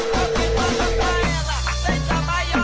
ก็กลัวใจน้องบอง